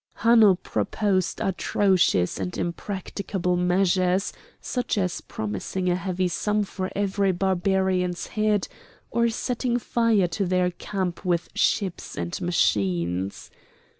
Hanno proposed atrocious and impracticable measures, such as promising a heavy sum for every Barbarian's head, or setting fire to their camp with ships and machines.